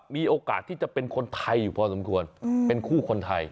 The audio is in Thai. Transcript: มีโอกาสที่จะเป็นคนไทยอยู่พอสมควรเป็นคู่คนไทย